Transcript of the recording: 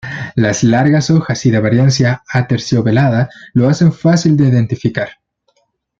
Las largas hojas y de apariencia "aterciopelada" lo hacen fácil de identificar.